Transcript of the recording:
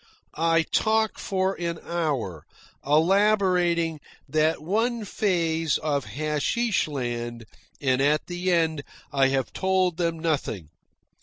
I talk for an hour, elaborating that one phase of Hasheesh Land, and at the end I have told them nothing.